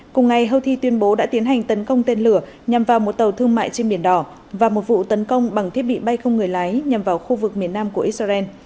cùng ngày houthi tuyên bố đã tiến hành tấn công tên lửa nhằm vào một tàu thương mại trên biển đỏ và một vụ tấn công bằng thiết bị bay không người lái nhằm vào khu vực miền nam của israel